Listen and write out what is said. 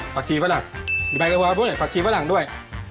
ฝักชีฝรั่งใบกระเภาฝักชีฝรั่งด้วย